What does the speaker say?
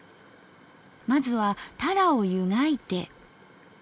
まずはタラを湯がいて。